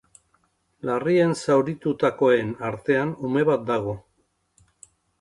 Larrien zauritutakoen artean ume bat dago.